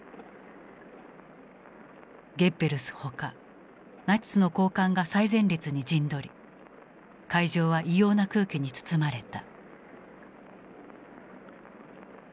ゲッベルスほかナチスの高官が最前列に陣取り会場は異様な空気に包まれた。